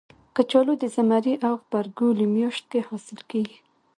کچالو د زمري او غبرګولي میاشت کې حاصل کېږي